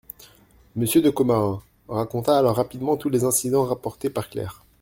Monsieur de Commarin raconta alors rapidement tous les incidents rapportés par Claire.